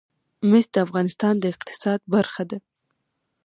مس د افغانستان د اقتصاد برخه ده.